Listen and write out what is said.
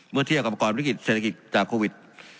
เมื่อเทียบกับประกอบวิกฤตเศรษฐกิจจากโควิด